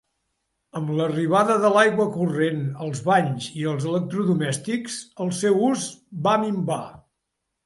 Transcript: Amb l'arribada de l'aigua corrent, els banys i els electrodomèstics, el seu ús va minvar.